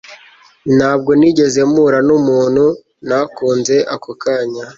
Ntabwo nigeze mpura numuntu ntakunze ako kanya